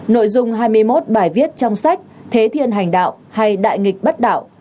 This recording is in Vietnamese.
nội dung hai mươi một bài viết trong sách thế thiên hành đạo hay đại nghịch bất đạo